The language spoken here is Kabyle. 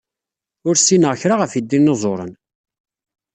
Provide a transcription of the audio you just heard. Ur ssineɣ kra ɣef yidinuẓuren.